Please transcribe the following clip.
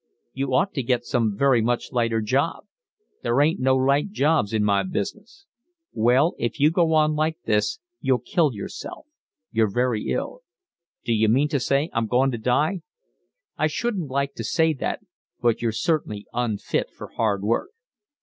"You ought to get some very much lighter job." "There ain't no light jobs in my business." "Well, if you go on like this you'll kill yourself. You're very ill." "D'you mean to say I'm going to die?" "I shouldn't like to say that, but you're certainly unfit for hard work."